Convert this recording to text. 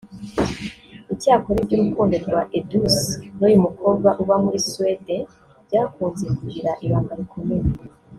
Icyakora iby’urukundo rwa Edouce n’uyu mukobwa uba muri Sweden byakunze kugirwa ibanga rikomeye